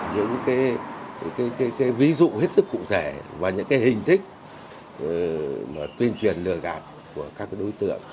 những ví dụ hết sức cụ thể và những hình thức tuyên truyền lừa gạt của các đối tượng